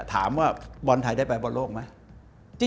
ถามว่าบอลไทยได้ไปบอลโลกไหม